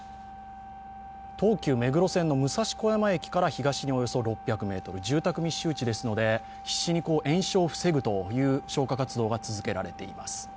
東急目黒線の武蔵小山駅駅から東におよそ６００ｍ、住宅密集地ですので必死に延焼を防ぐ消火活動が続けられています。